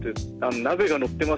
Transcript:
鍋が乗ってます